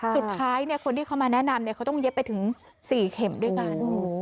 สุดท้ายคนที่เขามาแนะนำเขาต้องเย็บไปถึง๔เข็มด้วยกัน